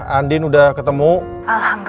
kita merayaku dulu trus kita mau beruchu di la fista